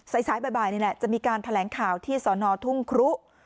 สายบ่ายนี่แหละจะมีการแถลงข่าวที่สอนอทุ่งครุ